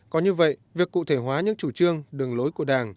có như vậy việc cụ thể hóa những chủ trương đường lối của đảng